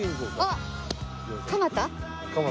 蒲田。